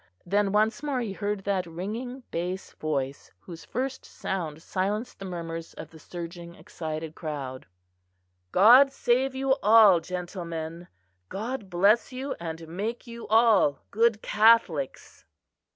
Then, once more he heard that ringing bass voice whose first sound silenced the murmurs of the surging excited crowd. "God save you all, gentlemen! God bless you and make you all good Catholics."